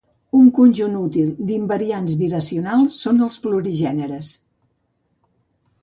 Un conjunt útil d'invariants biracionals són els plurigèneres.